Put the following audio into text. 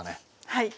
はい。